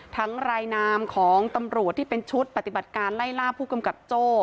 รายนามของตำรวจที่เป็นชุดปฏิบัติการไล่ล่าผู้กำกับโจ้